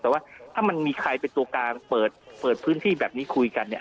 แต่ว่าถ้ามันมีใครเป็นตัวกลางเปิดพื้นที่แบบนี้คุยกันเนี่ย